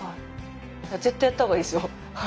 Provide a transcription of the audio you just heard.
絶対やった方がいいですよ。